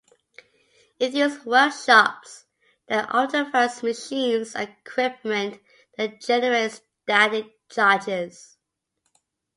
In these workshops, there are often various machines and equipment that generate static charges.